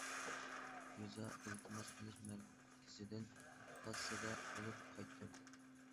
ۋىزا ئىلتىماس قىلىش مەركىزىدىن لاسسىدە بولۇپ قايتتىم.